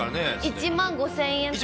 １万５０００円とか？